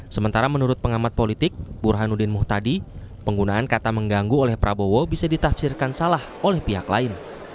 sementara menurut pengamat politik burhanuddin muhtadi penggunaan kata mengganggu oleh prabowo bisa ditafsirkan salah oleh pihak lain